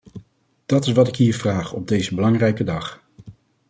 Dat is wat ik hier vraag, op deze belangrijke dag.